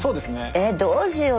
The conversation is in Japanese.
えっどうしよう？